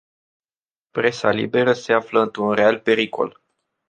Presa liberă se află într-un real pericol.